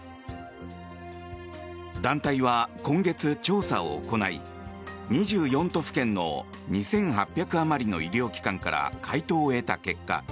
団体は今月、調査を行い２４都府県の２８００あまりの医療機関から回答を得た結果